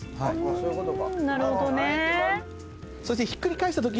そういうことか。